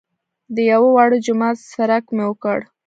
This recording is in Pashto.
د یوه واړه جومات څرک مې وکړ.